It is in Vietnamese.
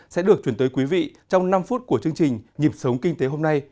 sẽ được chuyển tới quý vị trong năm phút của chương trình nhịp sống kinh tế hôm nay